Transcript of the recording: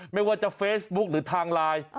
ไม่ว่าจะเฟซบุ๊คหรือทางไลน์